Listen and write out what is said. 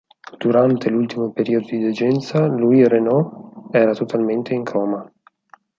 Durante l'ultimo periodo di degenza, Louis Renault era totalmente in coma.